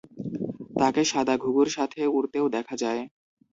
তাকে সাদা ঘুঘুর সাথে উড়তেও দেখা যায়।